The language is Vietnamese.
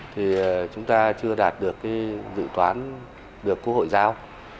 thì chúng ta chưa đạt được dự toán của hội giao